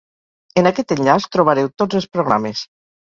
En aquest enllaç, trobareu tots els programes.